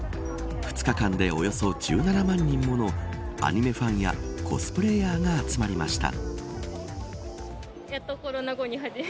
２日間で、およそ１７万人ものアニメファンやコスプレーヤーが集まりました。